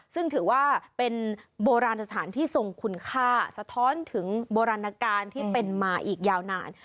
ซึ่งถือว่าเป็นโบราณสถานที่ทรงคุณค่าสะท้อนถึงโบราณการที่เป็นมาอีกยาวนาน